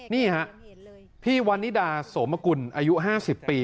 นี่ฮะพี่วันนิดาโสมกุลอายุ๕๐ปี